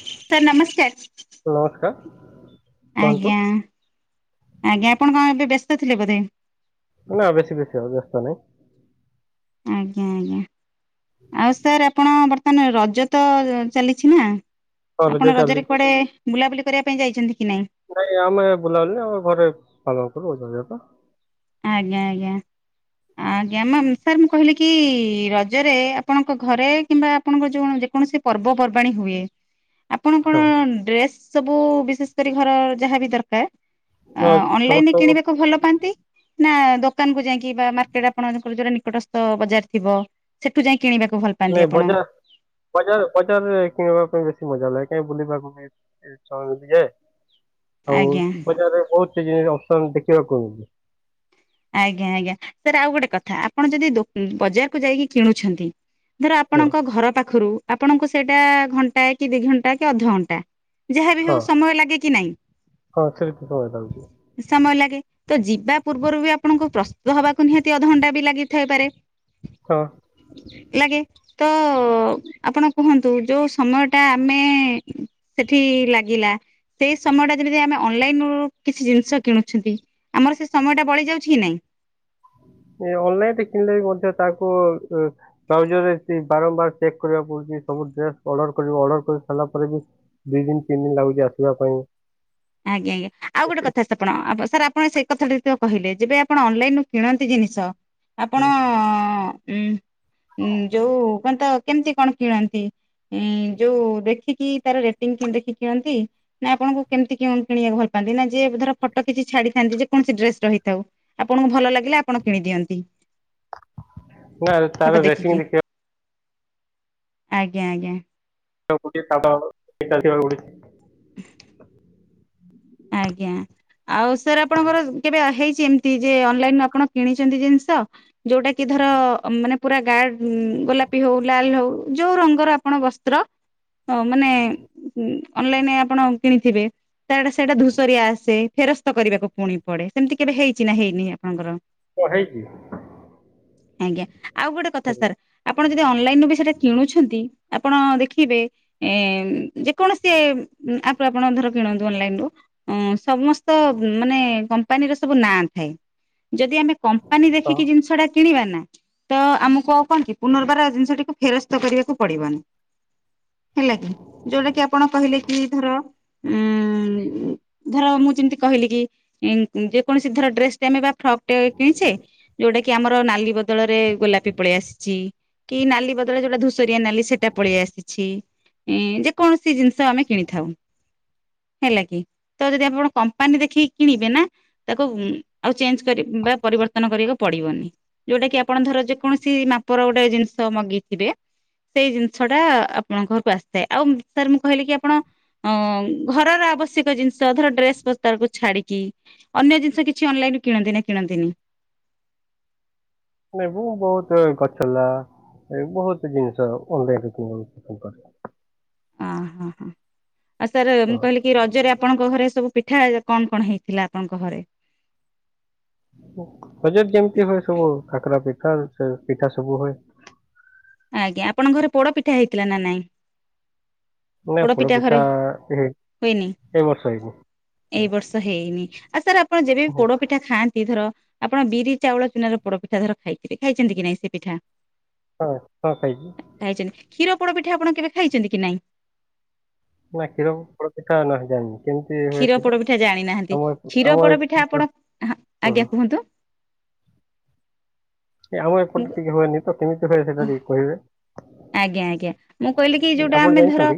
Sir ନମସ୍କାର କୁହନ୍ତୁ ଆଜ୍ଞା। ଆଜ୍ଞା ଆପଣ କଣ ଏବେ ବ୍ୟସ୍ତ ଥିଲେ ବୋଧେ? ନା ବେଶୀ ଆଉ ବ୍ୟସ୍ତ ନାହିଁ। ଆଜ୍ଞା ଆଜ୍ଞା ଆଉ ସାର୍ ଆପଣ ବ କାଇଁନା ରଜ ତ ଚାଲିଛି ନା ରଜ ଆପଣ ଚାଲିଛି ରଜରେ କୁଆଡ଼େ ବୁଲାବୁଲି କରିବା ପାଇଁ ଯାଇଛନ୍ତି କି ନାଇଁ? ନାଇଁ ଆମେ ବୁଲାବୁଲି ଆମେ ଘରେ ପାଳନ କରୁ [unintelligible] ଆଜ୍ଞା ଆଜ୍ଞା। ଆଜ୍ଞା ମାମ୍ ସାର୍ ମୁଁ କହିଲି କି ରଜରେ ଆପଣଙ୍କ ଘରେ କିମ୍ବା ଆପଣଙ୍କ ଯୋ ଯେକୌଣସି ପର୍ବପର୍ବାଣୀ ହୁଏ। ଆପଣ ହଁ କଣ ଡ୍ରେସ୍ ସବୁ ବିଶେଷ କରି ଘର ଯାହାବି ଦରକାର ତ ଅ ଅନଲାଇନ ରେ ସମସ୍ତଙ୍କ କିଣିବାକୁ ଭଲ ପାଆନ୍ତି। ନା ଦୋକାନକୁୁ ଯାଇକି ବା ମାର୍କେଟ ଆପଣଙ୍କର ଯୋଉଟା ନିକଟସ୍ଥ ବଜାର ଥିବ ସେଠୁ ଯାଇ କିଣିବାକୁ ଭଲ ପାଆନ୍ତି ନାଇଁ ଆପଣ ବଜାର ବଜାର ବଜାରରେ କିଣିବା ପାଇଁ ବେଶୀ ମଜା ଲାଗେ କାହିଁ ବୁଲିବାକୁ [unintelligible] ଆଉ ଆଜ୍ଞା ବଜାରରେ ବହୁତକିଛି ଅପସନ ଦେଖିବାକୁ ମିଳେ। ଆଜ୍ଞା ଆଜ୍ଞା ସାର୍ ଆଉ ଗୋଟେ କଥା ଆପଣ ଯଦି ବଜାରକୁ ଯାଇକି କିଣୁଛନ୍ତି। ଧର ହଁ ଆପଣଙ୍କ ଘର ପାଖରୁ ଆପଣଙ୍କୁ ସେଇଟା ଘଣ୍ଟା କି ଦି ଘଣ୍ଟା କି ଅଧଘଣ୍ଟା ଯାହା ବିି ହଁ ହଉ ସମୟ ଲାଗେ କି ନାଇଁ- ହଁ ସେମିତି ସମୟ ଲାଗୁଛି [unintelligible] ସମୟ ଲାଗେ ତ ଯିବା ପୂର୍ବରୁ ବି ଆପଣଙ୍କୁ ପ୍ରସ୍ତୁତ ହବାକୁ ନିହାତି ଅଧଘଣ୍ଟା ବି ଲାଗିଥଇପାରେ ହଁ - ଲାଗେ ହିଁ- ଆପଣ କୁହନ୍ତୁ ଯୋଉ ସମୟ ଟା ଆମେ ସେଠି ଲାଗିଲା ସେଇ ସମୟ ଟା ଯେମିତି ଆମେ ଅନଲାଇନ ରୁ କିଛି ଜିନିଷ କିଣୁଛନ୍ତି ଆମର ସେ ସମୟ ଟା ବଳି ଯାଉଛି କିଛି ନାଇଁ ଏ ଅନଲାଇନ ରେ କିଣିଲେ ବି ମଧ୍ୟ ତାକୁ [unintelligible] ବାରମ୍ବାର ବାରମ୍ବାର ଚେକ୍ କରିବାକୁ ପଡୁଛି ସବୁ ଡ୍ରେସ ଅର୍ଡର କର ଅର୍ଡର କରି ସାରିଲା ପରେ ବି ଦିଇ ଦିନ ତିନି ଦିନ ଲାଗୁଛି ଆସିବା ପାଇଁ ଆଜ୍ଞା ଆଜ୍ଞ ଆଉ ଗୋଟେ କଥା ଆପଣ ସାର୍ ଆପଣ ସେଇ କଥାଟ କହିଲେ ଯେବେ ଆପଣ ଅନଲାଇନ ରୁ କିଣନ୍ତି ଜିନିଷ ଆପଣ ଉଁ ଉଁ ଯୋଉ କଣତ କେମତି କଣ କିଣନ୍ତି ଉଁ ଯୋଉ ଦେଖିକି ତାର କେ ଦେଖିନ୍ତି ନା ଆପଣଙ୍କୁ କେମିତି କେଉଁ କିଣିବାକୁ ଭଲ ପାଆନ୍ତି ନା ଯେ ଧର ଫଟୋ କିଛି ଛାଡିଥାନ୍ତି ଯେ କୌଣସି ଡ୍ରେସ ରହିଥାଉ ଆପଣଙ୍କୁ ଭଲ ଲାଗିଲେ ଆପଣ କିଣି ଦିଅନ୍ତି [unintelligible] ନା ଫଟୋ ତାର ରେଟିଂ ଦେଖିକି ଦେଖିବାକୁ ଆଜ୍ଞା ଆଜ୍ଞା [unintelligible] [unintelligible] ଆଜ୍ଞା ଆଉ ସାର୍ ଆପଣଙ୍କର କେବେ ହେଇଛି ଏମିତି ଯେ ଅନଲାଇନୁ ଆପଣ କିଣିଛନ୍ତି ଜିନିଷ ଯୋଉଟା କି ଧର ମାନେ ପୁରା ଗାଢ଼ ଗୋଲାପି ହଉ ଲାଲ ହଉ ଯୋଉ ରଙ୍ଗର ଆପଣ ବସ୍ତ୍ର ହଁ ମାନେ ଅନଲାଇନ ଆପଣ କିଣିଥିବେ ତାଟା ସେଇଟା ଧୂସରି ଆସେ ଫେରସ୍ତ କରିବାକୁ ପୁଣି ପଡେ ସେମିତି କେବେ ହେଇଛି ନା ହେଇନି ଆପଣଙ୍କର ପ ହେଇଛିି ଆଜ୍ଞା ଆଉ ଗୋଟେ କଥା ହଁ ସାର୍ ଆପଣ ଯଦି ଅନଲାଇନ ରୁ ବି ସେଇଟା କିଣୁଛନ୍ତି ଆପଣ ଦେଖିବେ ଏ ଯେକୌଣସି ଆପରୁ ଧର କିଣନ୍ତୁ ଅନଲାଇନ ରୁ ଅ ସମସ୍ତ ମାନେ କମ୍ପାନୀର ସବୁ ନାଁ ଥାଏ ଯଦି ଆମେ କ ମ୍ପାପାନି ଦେଖିକି ଜିନିଷ ଟା କିଣିବା ନା ତ ଆମକୁ ଆଉ କଣ କି ପୁନର୍ବାର ଜିନିଷଟିକୁ ଫେରସ୍ତ କରିବାକୁ ପଡିବନି ହେଲା କି ଯୋଉଟା କି ଆପଣ କହିଲେ କି ଧର ଉଁ ଧର ମୁଁ ଯେମିତି କହିଲି କି ଯେକୌଣସି ଧର ଡ୍ରେସ ଟେ ଆମେ ବ ଫ୍ରକ୍ ଟା କିଣିଛେ ଯୋଉଟା କି ଆମର ନାଲି ବଦଳରେ ଗୋଲାପୀ ପଳେଇ ଆସିଛି କି ନାଲି ବଦଳ ଯୋଉଟା ଧୂସରିଆ ନାଲି ସେଟା ପଳେଇ ଆସିଛିଁ ଯେତ କୌଣସି ଜିନିଷ ଆମେ କିଣିଥାଉ ହେଲା କି? ତ ଯଦି ଆପଣ କମ୍ପାନୀ ଦେଖିକି କିଣିବେ ନା ତାକୁ ଆଉ ଚେଞ୍ଜ କରି ବା ପରିବର୍ତ୍ତନ କରିବାକୁ ପଡିବନି ଯୋଉଟା କି ଆପଣ ଧର ଯେକୌଣସି ମାପର ଗୋଟେ ଜିନିଷ ମଗେଇଥିବେ ସେଇ ଜିନିଷ ଟା ଆପଣଙ୍କ ଘରକୁ ଆସିଥାଏ ଆଉ ସାର୍ ମୁଁ କହିଲି କି ଆପଣ ହ ଘରର ଆବଶ ଜିନିଷ ଧର ଡ୍ରେସ ପସ୍ତାକୁ ଛାଡିକି ଅନ୍ୟ ଜିନିଷ କିଛି ଅନଲାଇନୁ କିଣନ୍ତି ନା କିଣନ୍ତିନି [unintelligible] ନାଇଁ ମୁଁ ବହୁତ ଗଛ ଲଲା ଏ ବହୁତ ଜିନିଷ ଅ କିଣିବା ପସନ୍ଦ କରେ [unintelligible] ହ ହ ହଁ ଆଉ ସାର୍ ହଁ ମୁଁ କହିଲି କି ରଜରେ ଆପଣଙ୍କ ଘରେ ସବୁ ପିଠା କଣ କଣ ହେଇଥିଲା ଆପଣଙ୍କ ଘରେ? ରଜରେ ଯେମିତି ହୁଏ ସବୁ କାକରା ପିଠା [unintelligible] ପିଠା ସବୁ ହୁଏ। ଆଜ୍ଞା ଆପଣଙ୍କ ଘରେ ପୋଡ ପିଠା ହେଇଥିଲା ନା ନାଇଁ? ନାଇଁ ପୋଡ ପୋଡ଼ ପିଠା ଘରେ ହୁଏନି ଏଇ ବର୍ଷ ହେଇନି। ଏଇ ହଁ ବର୍ଷ ହେଇନି ଆଉ ସାର୍ ଆପଣ ଯେବେ ପୋଡ ପିଠା ପିଠା ଖାଆନ୍ତି ଧର ଆପଣ ବିରି ଚାଉଳ ଚୁନାର ପୋଡ ପିଠା ଧର ଖାଇଥିବେ ଖାଇଛନ୍ତି କି ନାଇଁ ସେ ପିଠା? ହଁ ହଁ ଖାଇଛି। ଖାଇଛନ୍ତି କ୍ଷୀର ପୋଡ ପିଠା ଆପଣ କେବେ ଖାଇଛନ୍ତି କି ନାଇଁ? ନା କରମ ପଥାା ନ ଜା [unintelligible] କ୍ଷୀର କେମତିଥିଲା ପୋଡପିଠା [unintelligible] ଜାଣିନାହାନ୍ତି ଆମ କ୍ଷୀର ଆମ ପୋଡପିଠା ଆପଣ ଏଠ ଆଜ୍ଞା କୁହନ୍ତୁ ଆମ ମୁଁ ଏପଟେ ଟିକେ ହୁଏନି ତ କେମିତି ହୁଏ ସେଇଟା ଟିକେ କହିବେ? ଆଜ୍ଞା ଆଜ୍ଞା ମୁଁ କହିଲି କି ଯୋଉଟା ଆପଣ ଆମେ ଧର ଜାଣିଛନ୍ତି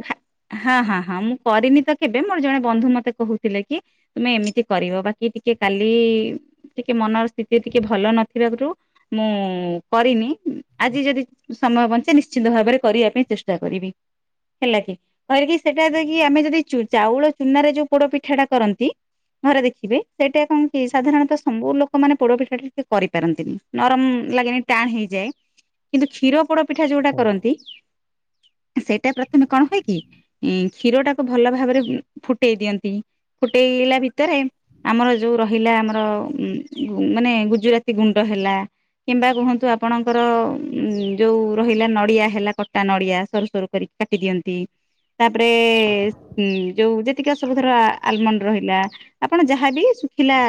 ହଁ ହଁ ହଁ ମୁଁ କରିନି ତ କେବେ ମୋର ଜଣେ ବନ୍ଧୁ ମତେ କହୁଥିଲେ କି ତୁମେ ଏମିତି କରିବ ବାକି ଟିକେ କାଲି ଟିକେ ମନର ସ୍ଥିତି ଟିକେ ଭଲ ନଥିବାରୁ ମୁଁ କରିନି ଆଜି ଯଦି ସମୟ ବଞ୍ଚେ ନି ନିଶ୍ଚିନ୍ତ ଭାବରେ କରିବା ପାଇଁ ଚେଷ୍ଟା କରିବି। ହେଲା କି କହିଲିକି ସେଇଟା ଯକି ଆମେ ଯଦି ଚାଉଳ ଚୁନାରେ ଯୋଉ ପୋଡ ପିଠାଟା କରନ୍ତି- - ଘରେ ଦେଖିବେ ସେଇଟା କଣ କି ସାଧାରଣତଃ ସବୁ ଲୋକମାନେ ପୋଡପିଠା ଟା ଟିକେ କରିପାରନ୍ତିନି। ନରମ ଲାଗେନି ଟାଣ ହେଇଯାଏ କିନ୍ତୁ କ୍ଷୀର ପୋଡ ପିଠା ଯୋଉଟା ହଁ କରନ୍ତି ସେଇଟା ପ୍ରଥମେ କଣ ହୁଏ କିି ଉଁ କ୍ଷୀର ଟାକୁ ଭଲ ଭାବରେ ଫୁଟେଇ ଦିଅନ୍ତି ଫୁଟେଇଲା ଭିତରେ ଆମର ଯୋଉ ରହିଲା ଆମର ଉ ମାନେ ଗୁଜୁରାତି ଗୁଣ୍ଡ ହେଲା କିମ୍ବା କୁହନ୍ତୁ ଆପଣଙ୍କର ଉ ଯୋଉ ରହିଲା ନ ନଡିଆ ହେଲା କଟା ନଡିଆ ସରୁ ସରୁ କରିକି କାଟି ଦିଅନ୍ତି ତାପରେ ଯୋଉ ଯେତିକି ସବୁ ଧର ଆଲମଣ୍ଡ ରହିଲା ଆପଣ ଯାହାବି ଶୁଖିଲା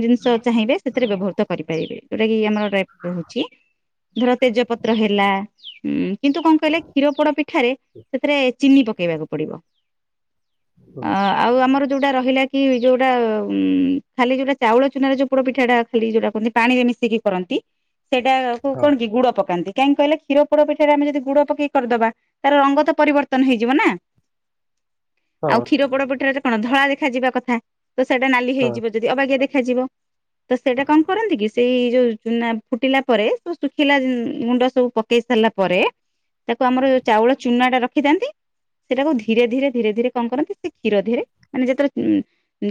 ଜିନିଷ ଚାହିଁବେ ସେଥିରେ ବ୍ୟବହୃତ କରିପାରିବେ ଯୋଉଟା କିି ଆମର ଡ୍ରାଇଫୁଡ୍‌ ରହୁଛି ଧର ତେଜପତ୍ର ହେଲା ହୁଁ କିନ୍ତୁ କଣ କହିଲେ କ୍ଷୀର ପୋଡ ପିଠାରେ ସେଥିରେ ଚିନି ପକେଇବାକୁ ପଡିବ [inaudible] ହଁ। ଆଉ ଆମର ଯୋଉଟା ରହିଲା କି ଯୋଉଟା ଉ ଖାଲି ଯୋଉଟା ଚାଉଳ ଚୁନା ଯୋଉ ପୋଡ଼ ପିଠାଟା ଖାଲି ଯୋଉଟା କରନ୍ତି ପାଣିରେ ମିଶିକି କରନ୍ତି ସେଇଟା ହଁ କଣ କି ଗୁଡ଼ ପକାନ୍ତି କାହିଁକି କହିଲେ ପୋଡ ପିଠାରେ ଆମେ ଯଦି ଗୁଡ ପକେଇକ କରିଦବା ତାର ରଙ୍ଗ ତ ପରିବର୍ତ୍ତନ ହେଇଯିବ ନା ହଁ ଆଉ କ୍ଷୀର ପୋଡ ପିଠା ଟା କଣ ଧଳା ଦେଖାଯିବା କଥା ତ ସେଇଟା ନାଲି ହଁ ହେଇଯିବ। ଯଦି ଅବାଗିଆ ଦେଖାଯିବ। ତ ସେଇଟା କଣ କରନ୍ତି କି ସେଇ ଯୋଉ ଚୁନା କୁଟିଲା ପରେ ସ ଶୁଖିଲା ଗୁଣ୍ଡ ସବୁ ପକେଇ ସାରିଲା ପରେ ତାକୁ ଆମର ଯୋଉ ଚାଉଳ ଚୁନା ଟା ରଖିଥାନ୍ତି ସେଇଟାକୁ ଧୀରେ ଧୀରେ ଧୀରେ ଧୀରେ କଣ କରନ୍ତି ସେ କ୍ଷୀର ଦିହରେ ମାନେ ଯେ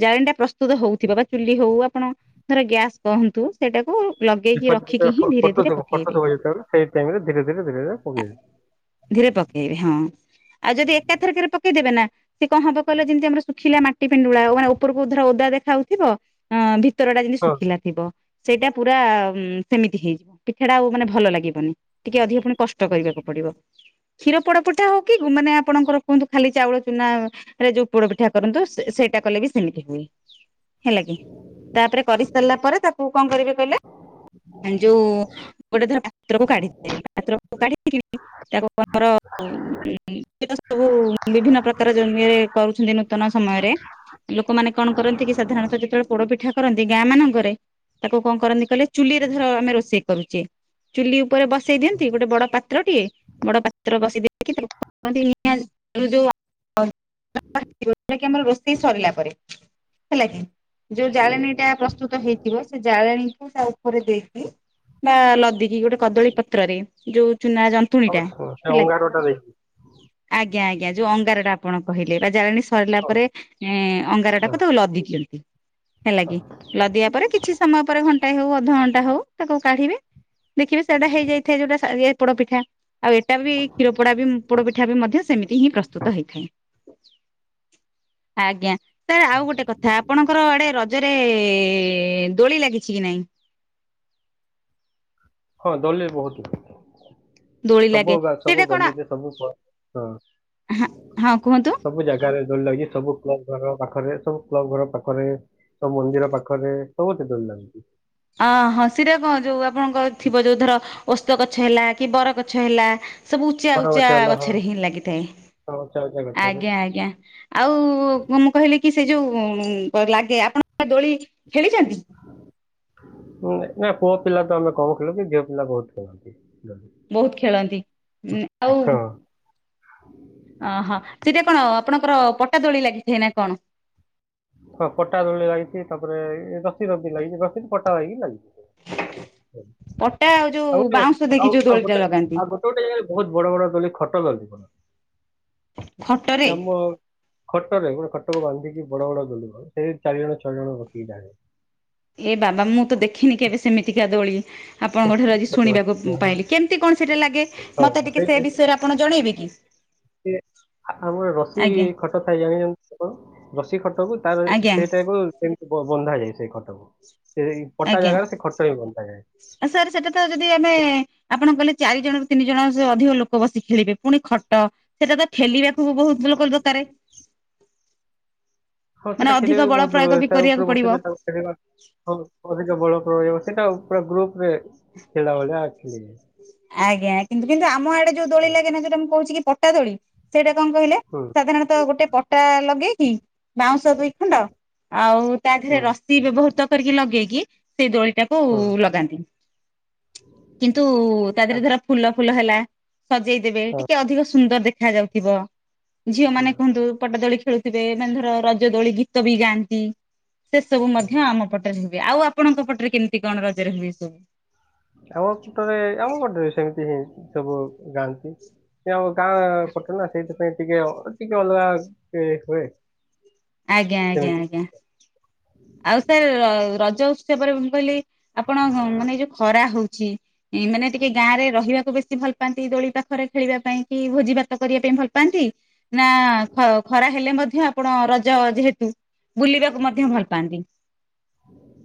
ଜାଳେଣି ଟା ପ୍ରସ୍ତୁତ ହଉଥିବା ବା ଚୁଲି ହଉ ଆପଣ ଧର ଗ୍ୟାସ୍ କହନ୍ତୁ ସେଇଟାକୁ ଲଗେଇକି ରଖିକି ଫଟୋ ହିଁ ଧୀରେ ଧୀରେ ସବୁ ଫଟୋ ପକେଇବେ। ସବୁ ଯେତେବେଳେ ସେଇ ଟାଇମିରେ ଧୀରେ ଧୀରେ ଧୀରେ ଧୀରେ ପକେଇବି। ଧୀରେ ପକେଇବେ ହଁ ଆଉ ଯଦି ଏକାଥରକରେ ପକେଇଦେବେ ନା ସେ କଣ ହବ କହିଲ ଯେମିତି ଆମର ଶୁଖିଲା ମାଟି ପେଣ୍ଡୁଳା ହଉ ମାନେ ଉପରକୁ ଧର ଓଦା ଦେଖା ହାଉଥିବ ଅ ଭି ଉତରଟା ଯେମିତି ହଁ ଶୁକିଲା ଥିବ। ସେଇଟା ପୁରା ସେମିତି ହେଇଯିବ ପିଠାଟା ଆଉ ମାନେ ଭଲ ଲାଗିବନି ଟିକେ ଅଧିକ ପୁଣି କଷ୍ଟ କରିବାକୁ ପଡିବ କ୍ଷୀର ପୋଡପିଟା ହଉ କି ମାନେ ଆପଣଙ୍କର କୁହନ୍ତୁ ଖାଲି ଚାଉଳ ଚୁନା ରେ ଯୋଉ ପୋଡ ପିଠା କରନ୍ତୁ ସେଇଟା କଲେ ବି ସେମିତି ହୁଏ। ହେଲା କି ତାପରେ କରିସାରିଲା ପରେ ତାକୁ କଣ କରିବେ କଇଲେ ହେ ଯୋଉ ଗୋଟେ ଧର ପାତ୍ରକୁ କାଢି [unintelligible] [unintelligible] [unintelligible] ସବୁ ବିଭିନ୍ନ ପ୍ରକାରରେ [unintelligible] କରୁଛନ୍ତି ନୂତନ ସମୟରେ ଲୋକମାନେ କଣ କରନ୍ତି କି ସାଧାରଣତଃ ଯେତେବେଳେ ପୋଡପିଠା କରନ୍ତି ଗାଁ ମାନଙ୍କରେ ତାକୁ କଣ କରନ୍ତି କହିଲେ ଚୁଲି ରେ ଧର ଆମେ ରୋଷେଇ କରୁଚେ। ଚୁଲି ଉପରେ ବସେଇ ଦିଅନ୍ତି ଗୋଟେ ବଡ ପାତ୍ର ଟେ ବଡ ପାତ୍ର ବସି ଦେଇକି [unintelligible] ଆମର ରୋଷେଇ ସରିଲା ପରେ ହେଲା କି? ଯୋଉ ଜାଳେଣୀ ଟା ପ୍ରସ୍ତୁତ ହେଇଥିବ ସେ ଜାଳେଣୀକୁ ତା ଓପରେ ଦେଇକି ବା ଲଦିକି ଗୋଟେ କଦଳୀ ପତ୍ରରେ ଯୋଉ ଚୁନା ଯନ ନ୍ତୁଣି ଟା ଅବଶ୍ୟ ସେ ହେଲା ଅଙ୍ଗାରଟା ଦେଇକି ଆଜ୍ଞା ଆଜ୍ଞା ଯୋଉ ଅଙ୍ଗାର ଟା ଆପଣ କହିଲେ ବା ଜାଳେଣି ସ ସରିଲା ହଁ ପରେ ଏଁ ଅଙ୍ଗାର ହଁ ଟାକୁ ତାକୁ ଲଦି ଦିଅନ୍ତି। ହେଲା କିି ଲଦିବା ପରେ କିଛି ସମୟ ପରେ ଘଣ୍ଟ ଣ୍ଟା ହଉ ଅଧଘଣ୍ଟା ହଉ ତାକୁ କାଢିବେ ଦେଖିବେ ସେଇଟା ହେଇଯାଇଥାଏ ଯୋଟା ସା ଇଏ ପୋଡପିଠା। ଆଉ ଏଇା ବି କ୍ଷୀର ପୋଡା ବି ପୋଡ ପିଠା ବି ମଧ୍ୟ ସେମିତି ହିଁ ପ୍ରସ୍ତୁତ ହେଇଥାଏ। ଆଜ୍ଞା। ସାର୍ ଆଉ ଗୋଟେ କଥା ଆପଣଙ୍କର ଆଡେ ରଜରେ ଦୋଳି ଲାଗିଛି କି ନାଇଁ? ହଁ ଦୋଳି ଲେ ବହୁତ ଦୋଳି ସବୁ ଲାଗେ ଗାଁ ସେଇଟା କଣ ଗଲିରେ ସବୁ ବ ହଁ ହଁ କୁହନ୍ତୁ। ସବୁ ଜାଗା ଗାରେ ଦୋଳି ଲାଗିଚି ସବୁ କ୍ଲବ ଘର ପାଖରେ ସବୁ କ୍ଲବ ଘର ପାଖରେ ସବୁ ମନ୍ଦିର ପାଖରେ ସବୁଠି ଦୋଳି ଲାଗୁଚି। ଅ ହଁ ସିରେ କଣ ଯୋଉ ଆପଣଙ୍କର ଥିବ ଯୋଉ ଧର ଓସ୍ତ ଗଛ ହେଲା କି ବର ଗଛ ହେଲା ସବୁ ଉଚା ବର ଗଛ ଉଚା ହେଲା ହଁ ଗଛରେ ହିଁ ଲାଗିଥାଏ ହଁ, ଉଚ୍ଚା ଉଚ୍ଚା ଗଛରେ ଆଜ୍ଞା ଆଜ୍ଞା। ଆଉ ମୁଁ କହିଲି କି ସେ ଯୋଉ ବ ଲାଗେ ଆପଣ ଦୋଳି ଖେଳିଛନ୍ତି? ନାଇ ପୁଅ ପିଲା ତ ଆମେ କମ ଖେଳୁ କି ଝିଅ ପିଲା ବହୁତ ଖେଳନ୍ତି। ବହୁତ ଖେଳନ୍ତି ଉଁ ହଁ। ଅ ହ ସେଇଟା କଣ ଆପଣଙ୍କର ପଟା ଦୋଳି ଲାଗିଥାଏ ନା କଣ? ହଁ ପଟା ଦୋଳି ଲାଗିଛି ତାପରେ ଏ ରଶ ରଦି ଲାଗିଛି ରଶି ପଟା ଲାଗକି ଲାଗିଛି। ପଟା ଆଉ ଯୋଉ ଗୋଟେ ବାଉଁଶ ଆଉ ଦେଇକି ଯୋଉ ଆଉ ଦୋଳି ଗୋଟେ ଟା ଆଉ ଲଗାନ୍ତି। ଗୋଟେ ଗୋଟେ ଜାଗା ବହୁତ ବଡ ବଡ ଦୋଲି ଖଟ ଦଲି ସେ ଖଟରେ ଆମ ଖଟରେ ଗୋଟେ ଖଟକୁ ବାନ୍ଧିକି ବଡ ବଡ ଗୋଲିବ ସେଇ ଚାରି ଜଣ ଛଅ ଜଣ ବସିକି ଯାଣେ ଏ ବାବା ମୁଁ ତ ଦେଖିନି କେବେ ସେମିତିକା ଦୋଳି। ଆପଣଙ୍କ ଠାରୁ ଆଜି ଶୁଣିବାକୁ ପାଇଲି କେମିତି କଣ ସେଟା ଲାଗେ ମତେ ହଁ ଟିକେ ସେ ବିଷୟରେ ଆପଣ ଜଣେଇବେ କି? ସିଏ ଆମର ରସି ଆଜ୍ଞା ଖଟ ଥାଏ ଜାଣିଛନ୍ତି ସେ କଣ ରଶି ଖଟକୁ ତାର ଆଜ୍ଞା ସେଇଟାକୁ ସେମିତି ବ ବନ୍ଧା ଯାଏ ସେଇ ଖଟକୁ। ସେଇ ପଟା ଜାଗାରେ ସେ ଖଟ ବି ବନ୍ଧା ଯାଏ। ଆ ସାର୍ ସେଟା ତ ଯଦି ଆମେ ଆପଣ କହିଲେ ଚାରି ଜଣରୁ ତିନି ଜଣ ସେ ଅଧିକ ଲୋକ ବସି ଖେଳିବେ ପୁଣି ଖଟ ସେଇଟା ତ ଠେଲିବାକୁ ବି ବହୁତ ଲୋକର ଦରକାର। ହଁ ମାନେ ସେଟା ଅଧିକ ଖେଳିବା ବି ବଳ ବହୁତ ଲୋକ ପ୍ରୟୋଗ ବି ଦରକାର। ତା କରିବାକୁ ଉପରେ ପଡିବ। ବସିବେ ତାକୁ ଅଧିକ ବଳ ପ୍ରୟୋଗ ସେଇଟା ପୁରା ଗ୍ରୁପ ରେ [unintelligible] ଆଜ୍ଞା। କିନ୍ତୁ କିନ୍ତୁ ଆମ ଆଡେ ଯୋଉ ଦୋଳି ହଁ, ଲାଗେ ନା ଯୋଉଟା ମୁଁ କହୁଛି କି ପଟା ଦୋଳି, ସେଇଟା କଣ କହିଲେ? ହୁଁ। ସାଧାରଣତଃ ଗୋଟେ ପଟା ଲଗେଇକି ବାଉଁଶ ଦୁଇ ଖଣ୍ଡ ଆଉ ତା ଦେହରେ ହୁଁ ରସି ବ୍ୟବହୃତ କରିକି ଲଗେଇକି ସେଇ ଦୋଳି ଟାକୁ ହୁଁ ଲଗାନ୍ତି। ତା କିନ୍ତୁ ଦେହରେ ଧର ଫୁଲ ଫୁଲ ହେଲା ସଜେଇ ଦେବେ ହଁ ଟିକେ ଅଧିକ ସୁନ୍ଦର ଦେଖା ଯାଉଥିବ। ଝିଅ ହୁଁ ମାନେ କୁହନ୍ତୁ ପଟା ଦୋଳି ଖେଳୁଥିବେ, ମାନେ ଧର ରଜ ଦୋଳି ଗୀତ ବି ଗାଆନ୍ତି। ସେ ସବୁ ହୁଁ ମଧ୍ୟ ଆମ ପଟରେ ହୁଏ। ଆଉ ଆପଣଙ୍କ ପଟରେ କେମିତି କଣ ରଜରେ ହୁଏ? ଆମ ପଟରେ ଆମ ପଟରେ ସେମିତି ହିଁ ସବୁ ଯାଆନ୍ତି। ପଟେ ନା ସେଇଥିପାଇଁ ଟିକେ ଟିକେ ଅଲଗା ହୁଏ। ଆଜ୍ଞା ଆଜ୍ଞା ସେମିତି ଆଜ୍ଞା। ଆଉ ସାର୍ ରଜ ଉତ୍ସବରେ ମୁଁ କହିଲି ଆପଣ ମାନେ ଯୋଉ ଖରା ହଉଛି, ମାନେ ଟିକେ ଗାଁ ରେ ରହିବାକୁ ବେଶୀ ଭଲ ଭଲ ପାନ୍ତି ଦୋଳି ପାଖରେ ଖେଳିବା ପାଇଁ କି ଭୋଜି ଭାତ କରିବା ପାଇଁ ଭଲ ପାଆନ୍ତି? ନା ଖ ଖରା ହେଲେ ମଧ୍ୟ ଆପଣ ର ରଜ ଯେହେତୁ ବୁଲିବାକୁ ମଧ୍ୟ ଭଲ ପାଆନ୍ତି?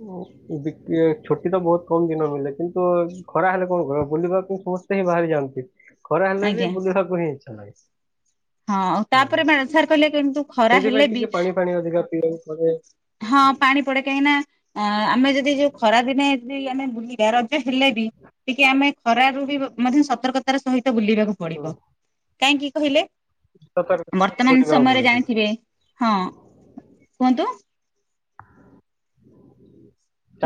[inaudible] ଛୁଟି ତ ବହୁତ କମ ଦିନ ମିଳେ କିନ୍ତୁ ଖରା ହେଲେ କଣ କରିବା ବୁଲିବାକୁ ବାହାରି ଯାଆନ୍ତି ଖରା ହେଲେ ଆଜ୍ଞା ବି ବୁଲିବାକୁ ହିଁ ଇଚ୍ଛାଲାଗେ। ହଁ ତାପରେ ସାର୍ କହିଲେ କିନ୍ତୁ ଖରା ସେଇଥିପାଇଁ ହେଲେ ଟିକେ ବି ପାଣି ଅଧିକା ପିଇବାକୁ ପଡେ। ହଁ ପାଣି ପଡେ କାହିଁକି ନା ଆମେ ଯଦି ଯୋଉ ଖରା ଦିନେ ଯଦି ଆମେ ବୁଲିବା ର ହେଲେ ବି ଟିକେ ଆମେ ଖରା ରୁ ବି ମଧ୍ୟ ସତର୍କତାର ସହିତ ବୁଲିବାକୁ ହୁଁ ପଡିବ। କାହିଁକି କହିଲେ ସତର୍କ ବର୍ତ୍ତମାନ ବୁଲିବାକୁ ସମୟରେ ପଡୁଛି ଜାଣିଥିବେ ହଁ କୁହନ୍ତୁ।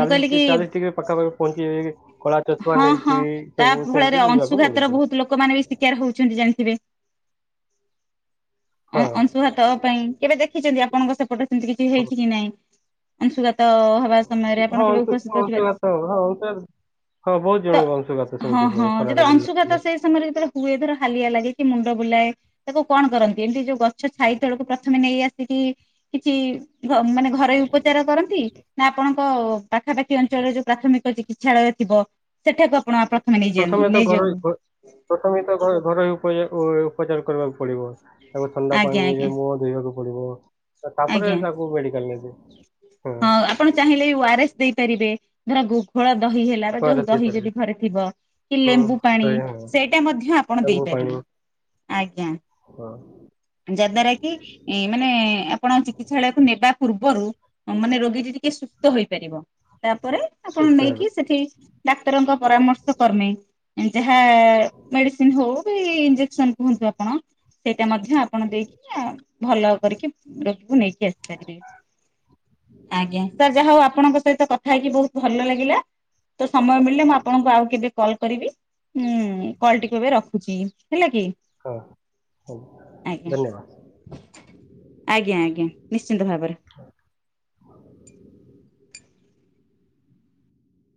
ମୁଁ କହିଲି କି ଚାଳିଶ ଡିଗ୍ରୀ ପାଖା ପାଖି ପହଞ୍ଚିଯାଏ। କଳା ଚଷମା ହଁ ହଁ ନେଇକି ତା ସବୁ ଫଳରେ ସେମିତି ବୁଲିବାକୁ ଅଂଶୁଘାତର ପଡୁଛି। ବହୁତ ଲୋକମାନେ ବି ଶିକାର ହଉଛନ୍ତି ଜାଣିଥିବେ? ହଁ। ଅଂଶୁଘାତ ପାଇଁ। କେବେ ଦେଖିଛନ୍ତି ଆପଣଙ୍କ ସେପଟେ, ସେମିତି କିଛି ହଁ। ହେଇଛି କି ନାଇଁ ଅଂଶୁଘାତ? ହବା ସମୟରେ ଆପଣ ହଁ କେବେ ଅଂଶୁ ଉପସ୍ଥିତ ଥିବା ଅଂଶୁଘାତ ହଁ। ହଁ ବହୁତ ତ ଜଣଙ୍କୁ ଅଂଶୁଘାତ ହଁ ସେମିତି ହଁ ହୁଏ ଯେତେବେଳେ ଖରାରେ ବୁଲିଲେ। ଅଂଶୁଘାତ ସେଇ ସମୟରେ ଯେତେବେଳେ ହୁଏ ଧର ହାଲିଆ ଲାଗେ କି ମୁଣ୍ଡ ବୁଲାଏ, ତାକୁ କଣ କରନ୍ତି? ଏମିତି ଯୋଉ ଗଛ ଛାଇ ତଳକୁ ପ୍ରଥମେ ନେଇ ଆସିକି, କିଛି ମାନେ ଘରୋଇ ଉପଚାର କରନ୍ତି? ନା ଆପଣଙ୍କ ପାଖାପାଖି ଅଞ୍ଚଳରେ ଯୋଉ ପ୍ରାଥମିକ ଚିକିତ୍ସାଳୟ ଥିବ ସେଠାକୁ ଆପଣ ପ୍ରଥମେ ତ ଘରୋଇ [unintelligible] ଘ- ପ୍ରଥମେ ତ ଘର ଘରୋଇ ଉପଚାର ଉପଚାର କରିବାକୁ ପଡିବ ତାପରେ ଥଣ୍ଡା ଆଜ୍ଞା ପାଣିରେ ଆଜ୍ଞା ମୁହଁ ଧୋଇଵାକୁ ପଡିବ ତାପରେ ଆଜ୍ଞା ତାଙ୍କୁ ମେଡିକାଲ ନେବୁ। ହଁ ଆପଣ ଚାହିଁଲେ ଓ ଆରଏସ୍ ଦେଇପାରିବେ ଧର ଘୋଳ ଦହି ହେଲେ ଖୁଆରେ ଯୋଉ ଦହି ଦେଇପାରିବେ ଯଦି ଘରେ ଥିବ, କି ହଁ ଲେମ୍ବୁ ପାଣି ଦହି ହଁ ସେଇଟା ମଧ୍ୟ ଆପଣ ଲେମ୍ବୁ ପାଣି ଦେଇପାରିବେ। ଆଜ୍ଞା। ହଁ। ଯା ଦ୍ୱାରା କି ମାନେ ଆପଣ ଚିକିତ୍ସାଳୟକୁ ନେବା ପୂର୍ବରୁ। ମାନେ ରୋଗୀଟି ଟିକେ ସୁସ୍ଥ ହେଇପାରିବ ତାପରେ ଆପଣ ସୁକ୍ତ ହେବ। ନେଇକି ସେଠି ଡାକ୍ତରଙ୍କ ପରାମର୍ଶ କର୍ମେ ଯାହା ମେଡିସିନ ହଉ ବି ଇଞ୍ଜେସନ କୁହନ୍ତୁ ଆପଣ ସେଇଟା ମଧ୍ୟ ଆପଣ ଦେଇକି ନା ଭଲ କରିକି ରୋଗକୁ ନେଇକି ଆସିପାରିବେ। ଆଜ୍ଞା ତା ଯାହା ହଉ ଆପଣଙ୍କ ସହିତ କଥା ହେଇକି ବହୁତ ଭଲ ଲାଗିଲା। ତ ସମୟ ମିଳିଲେ ମୁଁ ଆପଣଙ୍କୁ ଆଉ କେବେ କଲ୍ କରିବି ଉଁ କଲ ଟିକେ ଏବେ ରଖୁଛି ହେଲା କି। ହଁ ହଉଁ ଆଜ୍ଞା ଧନ୍ୟବାଦ। ଆଜ୍ଞା ଆଜ୍ଞା ନିଶ୍ଚିନ୍ତ ଭାବରେ